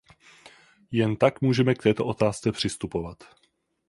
Jen tak můžeme k této otázce přistupovat.